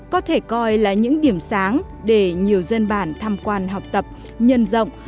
có thể coi là những điểm sáng để nhiều dân bản tham quan học tập nhân rộng